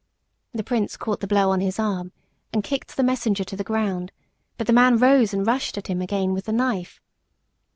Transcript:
The prince caught the blow on his arm, and kicked the messenger to the ground, but the man rose and rushed at him again with the knife.